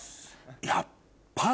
やっぱ。